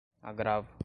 agravo